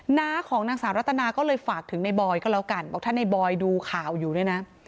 หน้าของนางสาวรัตนาก็เลยฝากถึงในบอยก็แล้วกันบอกถ้าในบอยดูข่าวอยู่ด้วยนะ